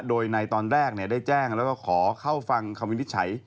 โดยในตอนแรกได้แจ้งแล้วก็ขอเข้าฟังคำวินิจฉัย